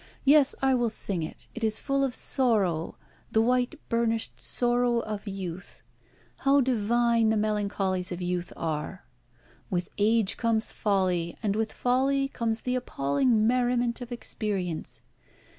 Yes, I will sing it. It is full of the sorrow, the white burnished sorrow of youth. How divine the melancholies of youth are! With age comes folly, and with folly comes the appalling merriment of experience.